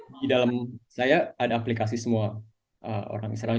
di dalam saya ada aplikasi semua orang israel